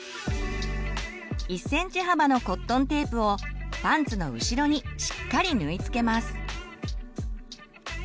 １ｃｍ幅のコットンテープをパンツの後ろにしっかり縫い付けます。